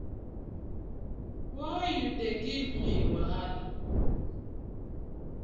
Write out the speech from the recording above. Why you dey give me wahala?